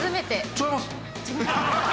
違います。